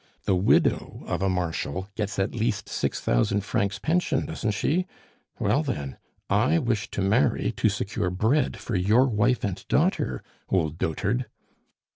The widow of a Marshal gets at least six thousand francs pension, doesn't she? Well, then, I wish to marry to secure bread for your wife and daughter old dotard!"